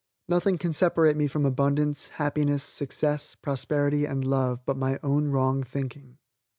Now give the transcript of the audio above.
Nothing can separate me from abundance, happiness, success, prosperity and love, but my own wrong thinking.